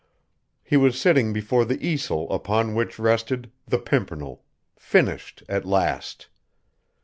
He was sitting before the easel upon which rested "The Pimpernel," finished at last!